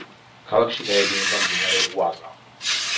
ქალაქში გაედინება მდინარე უაზა.